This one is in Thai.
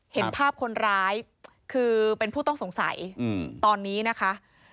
เห็นภาพคนร้ายคือเป็นผู้ต้องสงสัยตอนนี้นะคะ